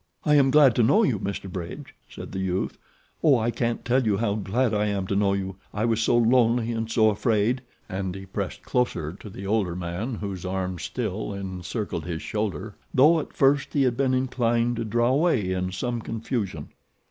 "I am glad to know you, Mr. Bridge," said the youth. "Oh, I can't tell you how glad I am to know you. I was so lonely and so afraid," and he pressed closer to the older man whose arm still encircled his shoulder, though at first he had been inclined to draw away in some confusion.